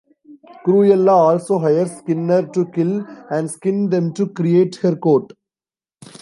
Cruella also hires Skinner to kill and skin them to create her coat.